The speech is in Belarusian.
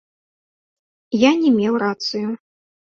Я не меў рацыю.